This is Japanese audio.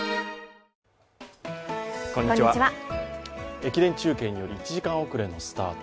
駅伝中継により１時間遅れのスタート。